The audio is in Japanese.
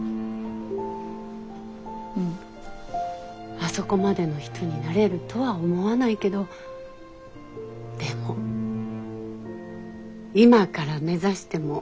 あそこまでの人になれるとは思わないけどでも今から目指しても遅くはないよね？